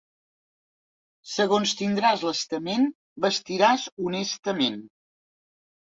Segons tindràs l'estament, vestiràs honestament.